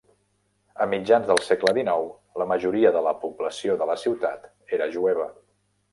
A mitjans del segle XIX, la majoria de la població de la ciutat era jueva.